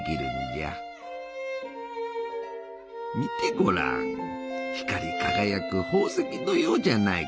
見てごらん光り輝く宝石のようじゃないか！